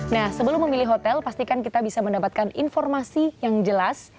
nah sebelum memilih hotel pastikan kita bisa mendapatkan informasi yang jelas